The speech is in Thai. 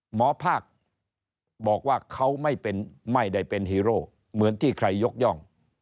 หมอภาคบอกว่าเขาไม่ได้เป็นฮีโร่เหมือนที่ใครยกย่อง